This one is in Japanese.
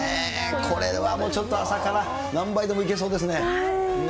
これはもう、ちょっと朝から何杯でもいけそうですね。